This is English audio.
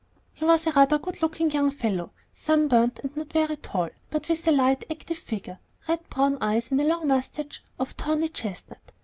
He was a rather good looking young fellow, sunburnt and not very tall, but with a lithe active figure, red brown eyes and a long mustache of tawny chestnut.